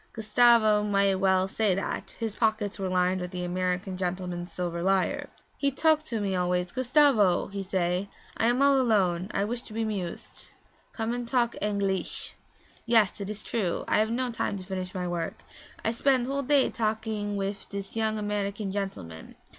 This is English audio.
(Gustavo might well say that; his pockets were lined with the American gentleman's silver lire.) 'He talk to me always. "Gustavo," he say, "I am all alone; I wish to be 'mused. Come and talk Angleesh." Yes, it is true; I have no time to finish my work; I spend whole day talking wif dis yong American gentleman.